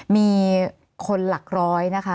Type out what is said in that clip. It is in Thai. มีคนหลักร้อยนะคะ